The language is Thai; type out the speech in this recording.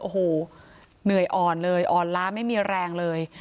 โอ้โหเหนื่อยอ่อนเลยอ่อนล้าไม่มีแรงเลย